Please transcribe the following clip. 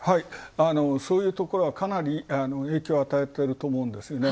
そういうところがかなり影響を与えてると思うんですよ。